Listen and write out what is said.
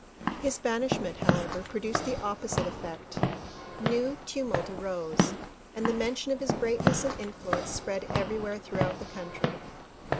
His banishment however produced the opposite effect. New tumult arose and the mention of his greatness and influence spread every where throughout the country.